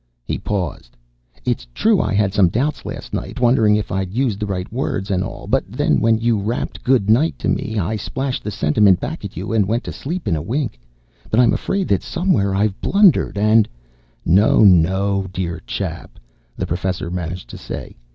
He paused. "It's true I had some doubts last night, wondering if I'd used the right words and all, but then when you rapped 'Good night' to me, I splashed the sentiment back at you and went to sleep in a wink. But I'm afraid that somewhere I've blundered and " "No, no, dear chap," the Professor managed to say.